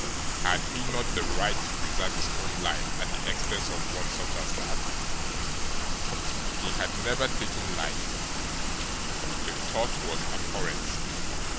Had he not the right to preserve his own life at the expense of one such as that? He had never taken life the thought was abhorrent!